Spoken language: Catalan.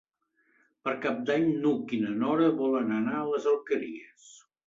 Per Cap d'Any n'Hug i na Nora volen anar a les Alqueries.